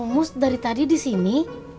mus dari tadi di sini